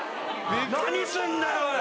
何すんだよおい。